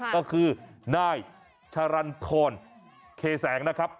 ก็คือนายชะรันทรเคแสงนะครับ